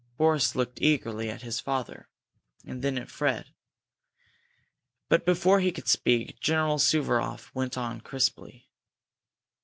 Boris looked eagerly at his father, and then at Fred. But before he could speak General Suvaroff went on, crisply.